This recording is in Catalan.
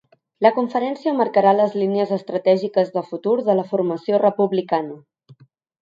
La conferència marcarà les línies estratègiques de futur de la formació republicana.